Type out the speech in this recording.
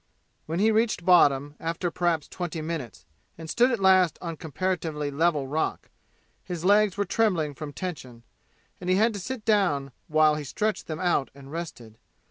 When he reached bottom, after perhaps twenty minutes, and stood at last on comparatively level rock, his legs were trembling from tension, and he had to sit down while he stretched them out and rested.